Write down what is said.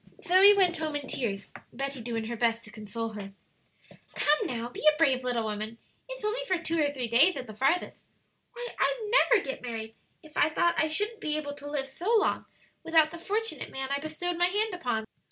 Zoe went home in tears, Betty doing her best to console her. "Come, now, be a brave little woman; it's for only two or three days at the farthest. Why, I'd never get married if I thought I shouldn't be able to live so long without the fortunate man I bestowed my hand upon."